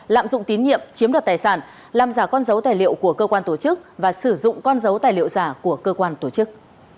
lạm dụng tín nhiệm chiếm đoạt tài sản làm giả con dấu tài liệu của cơ quan tổ chức và sử dụng con dấu tài liệu giả của cơ quan tổ chức